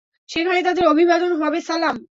সেখানে তাদের অভিবাদন হবে সালাম।